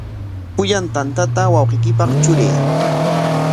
Pullan tantata wawqiykipaq truray.